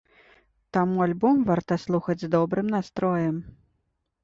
Таму альбом варта слухаць з добрым настроем.